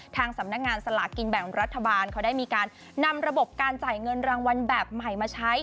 ทางสำนักงานสลากกินแบ่งรัฐบาลเขาได้มีการนำระบบการจ่ายเงินรางวัลแบบใหม่มาใช้